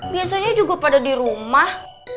biasanya juga pada di rumah